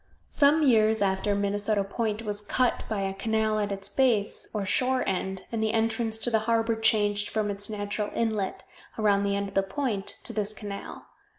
Some years after Minnesota Point was cut by a canal at its base, or shore end, and the entrance to the harbor changed from its natural inlet, around the end of the point, to this canal.